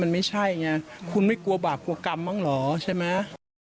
มันไม่ใช่ไงคุณไม่กลัวบาปกลัวกรรมบ้างเหรอใช่ไหม